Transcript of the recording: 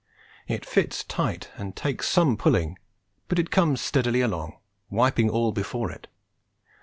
It fits tight and takes some pulling, but it comes steadily along, wiping all before it.